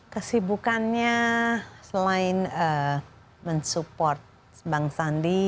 kesibukannya selain mensupport bang sandi